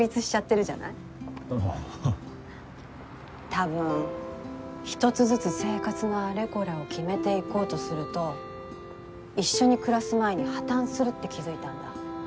多分一つずつ生活のあれこれを決めていこうとすると一緒に暮らす前に破綻するって気づいたんだ。